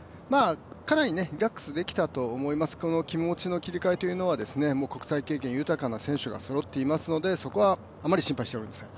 かなりリラックスできたと思います、気持ちの切り替えというのは国際経験豊かな選手がそろっていますのでそこはあまり心配していません。